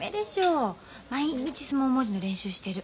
毎日相撲文字の練習してる。